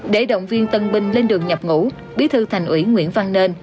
để động viên tân binh lên đường nhập ngũ bí thư thành ủy nguyễn văn nên